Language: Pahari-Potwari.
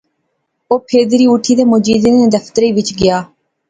او پھیدری اُٹھی تے مجیدے نے دفترے وچ گیا